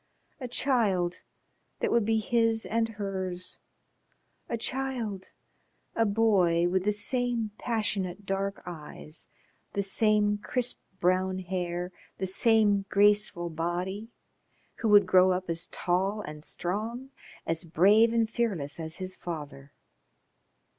A child that would be his and hers, a child a boy with the same passionate dark eyes, the same crisp brown hair, the same graceful body, who would grow up as tall and strong, as brave and fearless as his father.